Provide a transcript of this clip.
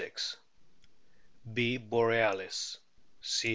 B. borcalis C.